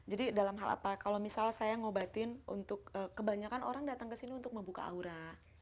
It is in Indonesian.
jadi dalam hal apa kalau misalnya saya ngobatin untuk kebanyakan orang datang ke sini untuk membuka aura